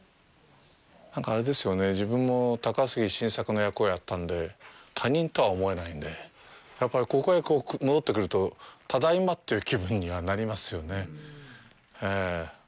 なんか、あれですよね、自分も高杉晋作の役をやったんで、他人とは思えないので、やっぱり、ここへ戻ってくると、“ただいま”という気分にはなりますよね。